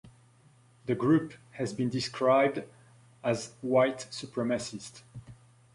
The group has been described as white supremacist.